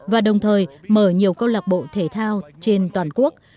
và đồng thời mở nhiều câu lạc bộ thể thao trên toàn quốc